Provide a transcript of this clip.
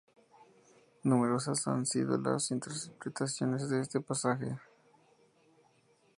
Numerosas han sido las interpretaciones de este pasaje.